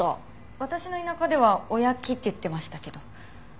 私の田舎ではおやきって言ってましたけど。